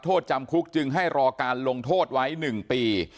โทษจำคุกจึงให้รอการลงโทษไว้๑ปี